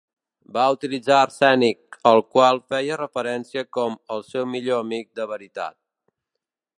Va utilitzar arsènic, al qual feia referència com "el seu millor amic de veritat".